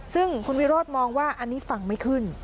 ซึ่งคุณวิโรธมองว่าอันนี้ฟังไม่ขึ้น